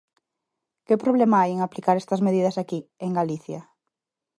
¿Que problema hai en aplicar estas medidas aquí, en Galicia?